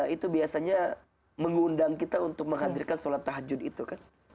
itu biasanya mengundang kita untuk menghadirkan sholat tahajud itu kan